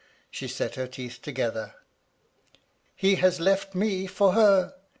She set her teeth together. * He has left me for her !'